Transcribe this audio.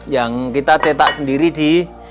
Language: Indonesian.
yang kita cetak sendiri di